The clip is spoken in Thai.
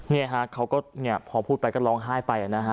เนี่ยฮะเขาก็เนี่ยพอพูดไปก็ร้องไห้ไปนะฮะ